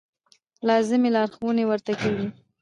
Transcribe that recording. لازمې لارښوونې ورته کېږي.